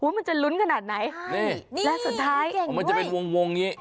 มันจะลุ้นขนาดไหนและสุดท้ายมันจะเป็นวงนี่